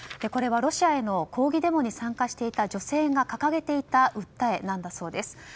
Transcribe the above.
これはロシアへの抗議デモに参加していた女性が掲げていた訴えなんだそうです。